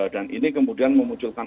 dan ini kemudian memunculkan